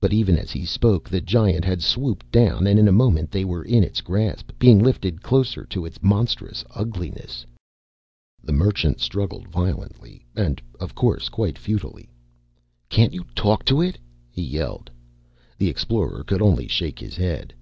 But even as he spoke, the giant had swooped down and in a moment they were in its grasp being lifted closer to its monstrous ugliness. The Merchant struggled violently and, of course, quite futilely. "Can't you talk to it?" he yelled. The Explorer could only shake his head.